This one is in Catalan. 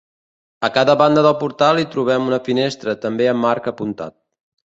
A cada banda del portal hi trobem una finestra també amb arc apuntat.